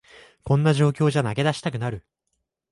こんな状況じゃ投げ出したくなる